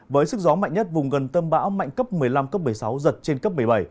với sức gió mạnh nhất vùng gần tâm bão mạnh cấp một mươi năm cấp một mươi sáu giật trên cấp một mươi bảy